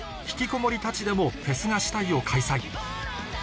「ひきこもりたちでもフェスがしたい！」を開催